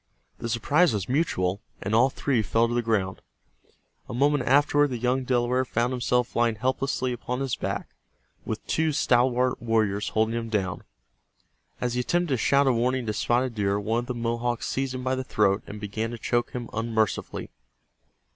The surprise was mutual, and all three fell to the ground. A moment afterward the young Delaware found himself lying helplessly upon his back with two stalwart warriors holding him down. As he attempted to shout a warning to Spotted Deer one of the Mohawks seized him by the throat and began to choke him unmercifully.